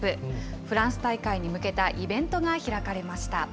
フランス大会に向けたイベントが開かれました。